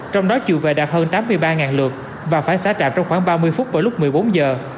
trong đó chiều về đạt hơn tám mươi ba lượt và phải xá trạm trong khoảng ba mươi phút vào lúc một mươi bốn giờ